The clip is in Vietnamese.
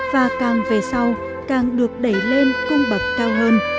và càng về sau càng được đẩy lên cung bậc cao hơn